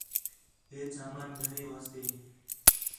ہیچ سامان گِھنّݨ واسطے